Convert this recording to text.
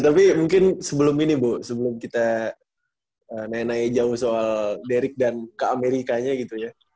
tapi mungkin sebelum ini bu sebelum kita nanya nanya jauh soal deric dan ke amerikanya gitu ya